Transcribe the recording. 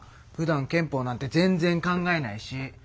ふだん憲法なんて全然考えないし。